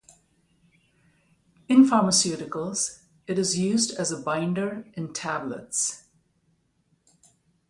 In pharmaceuticals it is used as a binder in tablets.